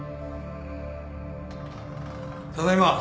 ただいま。